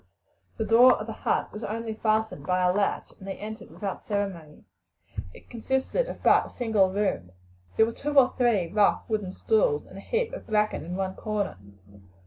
The door of the hut was only fastened by a latch, and they entered without ceremony. It consisted of but a single room. There were two or three rough wooden stools, and a heap of bracken in one corner.